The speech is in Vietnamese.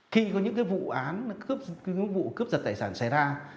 khi có những vụ án những vụ cướp vật tài sản xảy ra